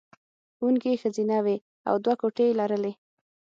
ښوونکې یې ښځینه وې او دوه کوټې یې لرلې